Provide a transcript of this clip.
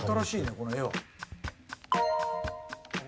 この画は。